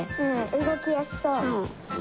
うごきやすそう！